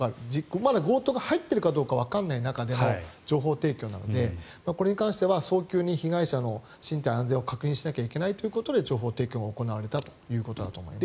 まだ強盗が入っているかわからない中での情報提供なのでこれに関しては早急に被害者の身体の安全を確認しなきゃいけないということで情報提供が行われたということだと思います。